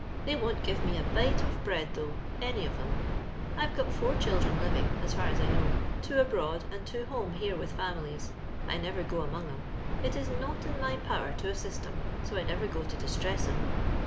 Tlicy won't give mo a bite of bread, thougb, any of •em, I've got four children living, as for as I know, two abroad and two home here with families. I never go among 'era. It is not in my power to assist 'cm, so I never go to dis tress 'em.